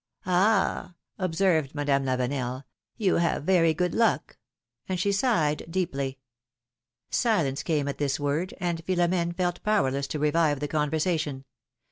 ^^ observed Madame Lavenel, '^you have very good luck,^^ and she sighed deeply. Silence came at this word, and Philomene felt powerless to revive the conversation.